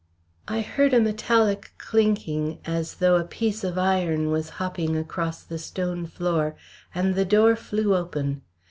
I heard a metallic clinking, as though a piece of iron was hopping across the stone floor, and the door flew open.